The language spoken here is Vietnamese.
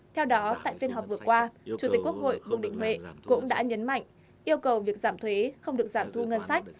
theo đó tại phiên họp vừa qua chủ tịch quốc hội vương đình huệ cũng đã nhấn mạnh yêu cầu việc giảm thuế không được giảm thu ngân sách